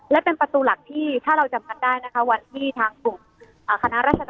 และเป็นประตูหลักที่ถ้าเราจำกันได้นะคะวันที่ทางกลุ่มคณะราชดร